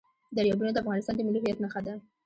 دریابونه د افغانستان د ملي هویت نښه ده.